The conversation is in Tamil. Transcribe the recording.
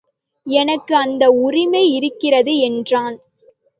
எனக்கு அந்த உரிமை இருக்கிறது என்றான்.